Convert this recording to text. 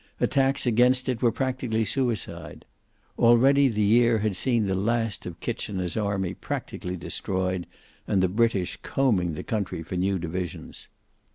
Attacks against it were practically suicide. Already the year had seen the last of Kitchener's army practically destroyed, and the British combing the country for new divisions.